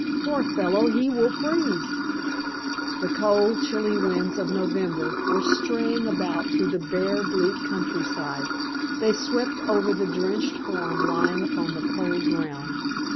Poor fellow! he will freeze." The cold, chilly winds of November were straying about through the bare, bleak country side; they swept over the drenched form lying upon the cold ground.